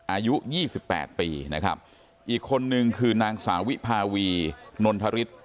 อายุยี่สิบแปดปีนะครับอีกคนนึงคือนางสาวิภาวีนนทริส